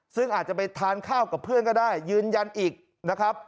ซึ่งอาจจะไปทานข้าวกับเพื่อนก็ได้ยืนยันอีกนะครับ